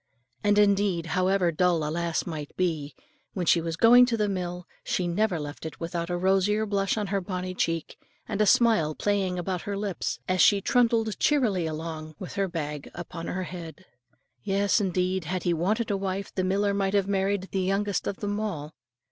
And indeed, however dull a lass might be, when she was going to the mill, she never left it without a rosier blush on her bonnie cheek, and a smile playing around her lips, as she trundled cheerily along with her bag upon her head. Yes, indeed, had he wanted a wife, the miller might have married the youngest of them all.